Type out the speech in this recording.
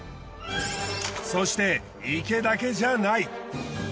そして池だけじゃない。